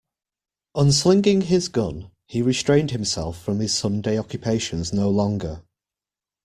Unslinging his gun, he restrained himself from his Sunday occupations no longer.